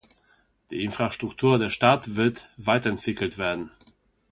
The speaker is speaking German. Die Infrastruktur der Stadt wird weiterentwickelt werden.